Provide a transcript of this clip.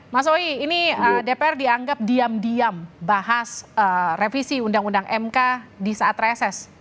mas oi ini dpr dianggap diam diam bahas revisi undang undang mk di saat reses